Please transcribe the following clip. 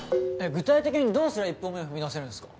具体的にどうすりゃ一歩目を踏み出せるんすか？